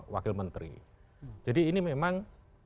wakil menteri jadi ini memang